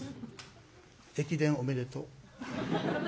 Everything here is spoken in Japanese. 駅伝おめでとう。